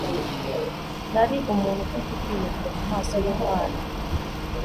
nari umuntu ufite ibyiringiro mumaso yumwana